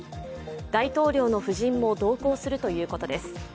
大統領の夫人も同行するということです。